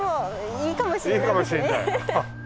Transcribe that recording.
いいかもしれない。